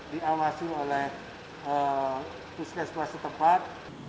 diawasi oleh puskeskuasa tempat